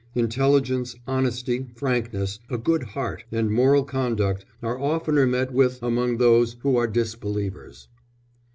Intelligence, honesty, frankness, a good heart, and moral conduct are oftener met with among those who are disbelievers."